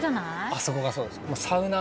あそこがそうです。